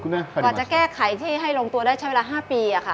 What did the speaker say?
ก็จะแก้ไขให้ลงตัวได้ใช้เวลา๕ปี